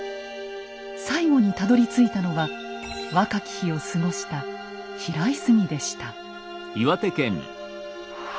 最後にたどりついたのは若き日を過ごした平泉でした。